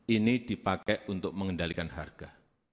ini dipakai untuk mengendalikan harga